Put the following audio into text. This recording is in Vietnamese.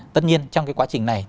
tất nhiên trong quá trình này